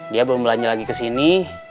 dia belum belanja lagi kesini